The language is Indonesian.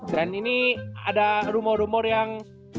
dan ini ada rumor rumor yang